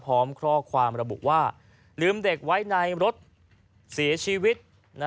พร้อมข้อความระบุว่าลืมเด็กไว้ในรถเสียชีวิต